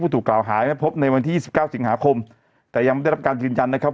ถูกกล่าวหานะครับพบในวันที่๒๙สิงหาคมแต่ยังไม่ได้รับการยืนยันนะครับ